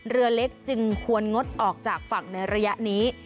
เรือเล็กจึงควรงดออกจากฝั่งในระยะนี้